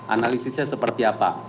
analisisnya seperti apa